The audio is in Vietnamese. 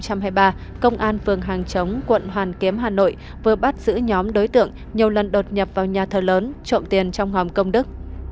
công an phường hàng chống quận hoàn kiếm hà nội vừa bắt giữ nhóm đối tượng nhiều lần đột nhập vào nhà thờ lớn trộm tiền trong hòm công đức